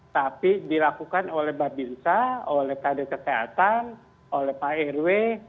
tapi dilakukan oleh babinsa oleh kd kesehatan oleh pak rw